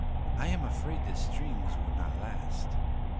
I am afraid the strings would not last."